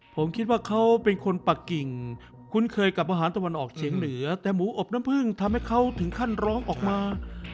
ผมคิดว่าเขาเป็นคนปะกิ่งคุ้นเคยกับอาหารตะวันออกเฉียงเหนือแต่หมูอบน้ำพึ่งทำให้เขาถึงขั้นร้องออกมา